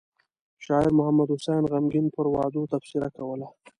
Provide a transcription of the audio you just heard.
شاعر محمد حسين غمګين پر وعدو تبصره کوله.